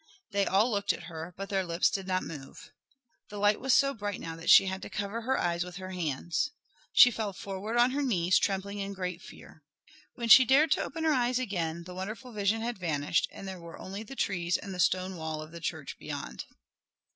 They all looked at her, but their lips did not move. The light was so bright now that she had to cover her eyes with her hands. She fell forward on her knees, trembling in great fear. When she dared to open her eyes again the wonderful vision had vanished, and there were only the trees and the stone wall of the church beyond.